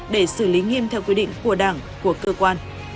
để xử lý nghiêm theo quy định của đảng của cơ quan